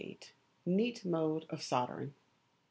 Neat Mode of Soldering.